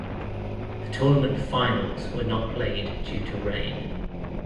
The tournament finals were not played due to rain.